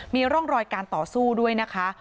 มีร่องรอยการต่อสู้ด้วยนะคะ